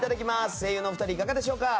声優のお二人いかがでしょうか？